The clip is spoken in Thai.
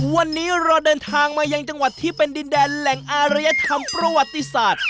วันนี้เราเดินทางมายังจังหวัดที่เป็นดินแดนแหล่งอารยธรรมประวัติศาสตร์